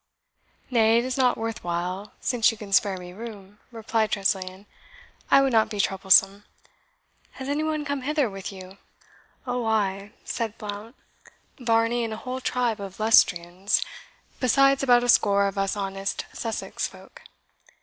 "Nay, it is not worth while, since you can spare me room," replied Tressilian "I would not be troublesome. Has any one come hither with you?" "Oh, ay," said Blount; "Varney and a whole tribe of Leicestrians, besides about a score of us honest Sussex folk.